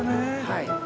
はい。